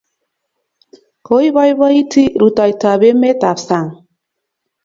Koipoipoiti rutoitap emet ap sang'